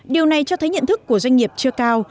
điều này cho thấy nhận thức của doanh nghiệp chưa cao